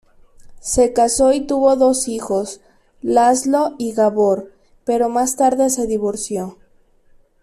Se casó y tuvo dos hijos, Laszlo y Gabor, pero más tarde se divorció.